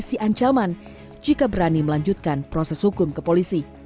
dan berisi ancaman jika berani melanjutkan proses hukum ke polisi